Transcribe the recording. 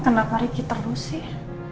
kenapa ricky terus sih